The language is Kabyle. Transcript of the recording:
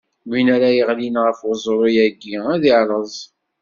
Win ara yeɣlin ɣef uẓru-agi ad irreẓ.